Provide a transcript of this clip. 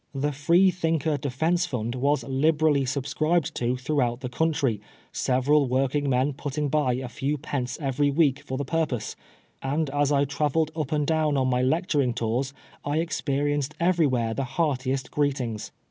The Freethiiiker Defence Fund was liberally subscribed to throughout the country, several working men putting by a few pence every week for the purpose ; and as I travelled up and down on my lecturing tours I experienced everywhere the heartiest greetings.